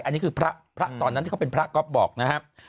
อันนี้คือพระพระตอนนั้นที่เขาเป็นพระก็บอกนะฮะ